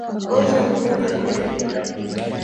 Osha na menya viazi